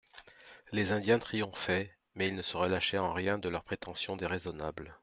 Les Indiens triomphaient, mais ils ne se relâchaient en rien de leurs prétentions déraisonnables.